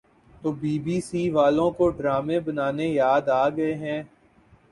تو B B C والوں کو ڈرامے بنانا یاد آگئے ہیں